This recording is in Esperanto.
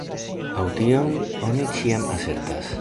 Aŭ tion oni ĉiam asertas.